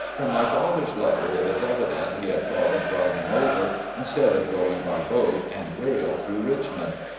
From my father's letter it is e vident he had thought of driving over, instead of going by boat and rail through Richmond.